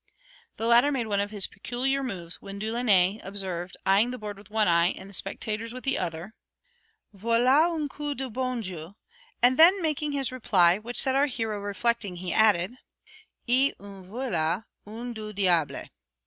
The latter made one of his peculiar moves, when Delaunay observed, eyeing the board with one eye, and the spectators with the other "Voila un coup du bon Dieu," and then making his reply, which set our hero reflecting, he added "_Et, en voila un du diable.